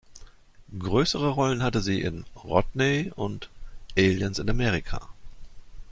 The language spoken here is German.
Größere Rollen hatte sie in "Rodney" und "Aliens in America".